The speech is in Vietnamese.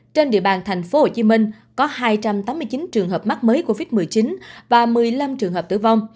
trên địa bàn tp hcm có hai trăm tám mươi chín trường hợp mắc mới covid một mươi chín và một mươi năm trường hợp tử vong